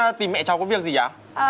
cô đến tìm mẹ cháu có việc gì ạ